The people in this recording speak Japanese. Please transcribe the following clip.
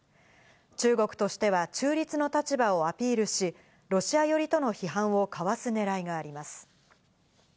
中国としては中立の立場をアピールし、ロシア寄りとの批判をかわす狙いがあります。